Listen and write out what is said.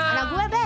anak gue be